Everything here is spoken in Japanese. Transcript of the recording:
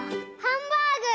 ハンバーグ！